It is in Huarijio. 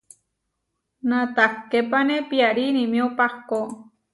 Natahképane piarí inimió pahkó.